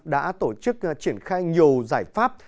đã tổ chức triển khai nhiều giải pháp